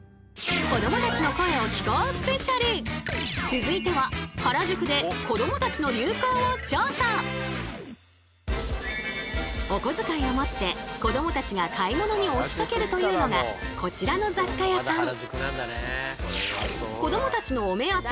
続いてはおこづかいを持って子どもたちが買い物に押しかけるというのがこちらの雑貨屋さん。